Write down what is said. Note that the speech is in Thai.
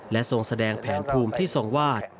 และทรงแสดงแผนภูมิที่ทรงวาด